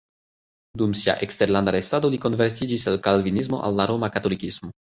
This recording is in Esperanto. Dum sia eksterlanda restado li konvertiĝis el la kalvinismo al la roma katolikismo.